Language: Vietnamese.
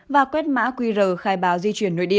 và quét mã qr khai báo di chuyển nội địa